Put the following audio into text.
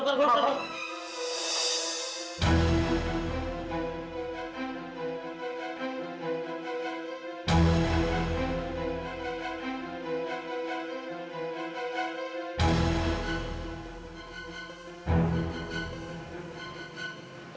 enggak enggak ayo kau berdua